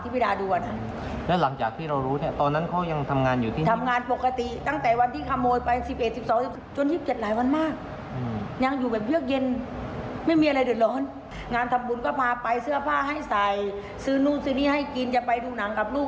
ว่าให้ใส่ซื้อนู่นซื้อนี่ให้กินจะไปดูหนังกับลูก